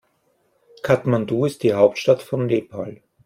Kathmandu ist die Hauptstadt von Nepal.